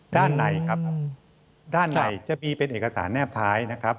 ด้านในครับด้านในจะมีเป็นเอกสารแนบท้ายนะครับ